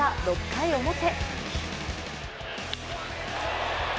６回表。